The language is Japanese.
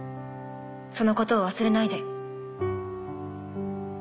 そのことを忘れないで。